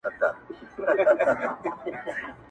زما چي ځي تر ډېره ښوروي لاسونه,